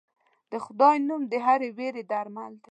د خدای نوم د هرې وېرې درمل دی.